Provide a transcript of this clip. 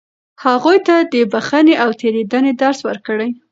هغوی ته د بښنې او تېرېدنې درس ورکړئ.